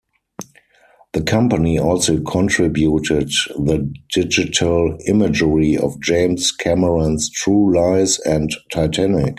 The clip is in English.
The company also contributed the digital imagery of James Cameron's "True Lies" and "Titanic".